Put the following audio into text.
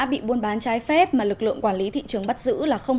bị buôn bán trái phép mà lực lượng quản lý thị trường bắt giữ